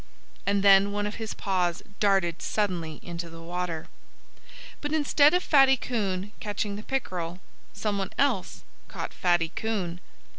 And then one of his paws darted suddenly into the water. But instead of Fatty Coon catching the pickerel, someone else caught Fatty Coon.